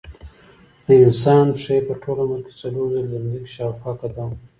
د انسان پښې په ټول عمر کې څلور ځلې د ځمکې شاوخوا قدم وهي.